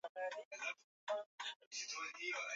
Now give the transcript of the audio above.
moja Angelim vermelho Dinizia Exelsa Spishi hii